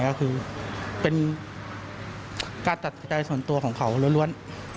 ก็คือเป็นการตัดสินใจส่วนตัวของเขาล้วน